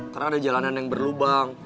karena ada jalanan yang berlubang